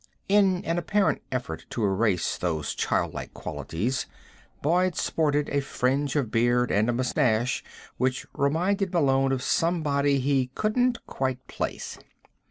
In an apparent effort to erase those childlike qualities, Boyd sported a fringe of beard and a mustache which reminded Malone of somebody he couldn't quite place.